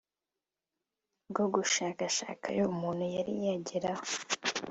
bwo gushakashakayo muntu yari yageraho